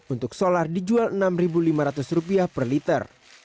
untuk solar dijual rp enam lima ratus per liter